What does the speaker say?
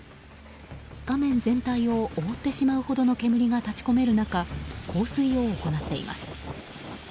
画面全体を覆ってしまうほどの煙が立ち込める中放水を行っています。